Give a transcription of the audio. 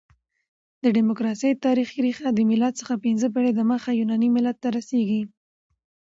د ډیموکراسۍ تاریخي ریښه د مېلاد څخه پنځه پېړۍ دمخه يوناني ملت ته رسیږي.